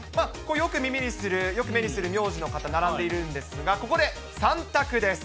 よく耳にする、よく目にする名字の方、並んでいるんですが、ここで３択です。